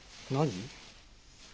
何？